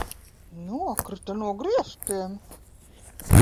Nokrita no griestiem!